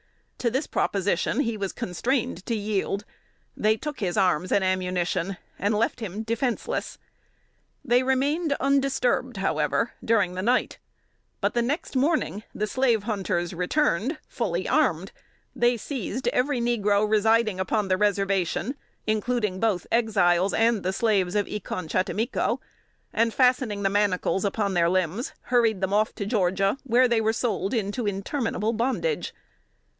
To this proposition he was constrained to yield. They took his arms and ammunition, and left him defenseless. They remained undisturbed, however, during the night; but the next morning the slave hunters returned, fully armed. They seized every negro residing upon the Reservation, including both Exiles and the slaves of E con chattimico, and, fastening the manacles upon their limbs, hurried them off to Georgia, where they were sold into interminable bondage.